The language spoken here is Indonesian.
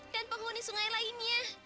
dan penghuni sungai lainnya